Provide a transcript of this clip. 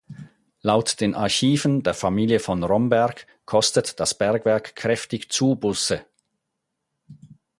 Laut den Archiven der Familie von Romberg kostet das Bergwerk kräftig Zubuße.